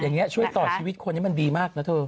อย่างนี้ช่วยต่อชีวิตคนนี้มันดีมากนะเธอ